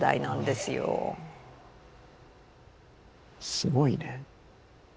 すごいね。